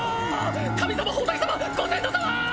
神様仏様ご先祖様！